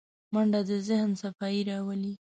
منډه د ذهن صفايي راولي